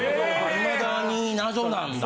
いまだに謎なんだ。